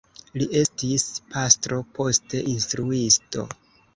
Li estis pastro, poste instruisto.